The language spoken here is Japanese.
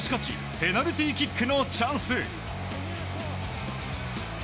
ペナルティーキックのチャンス。